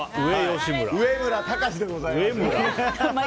上村崇でございます。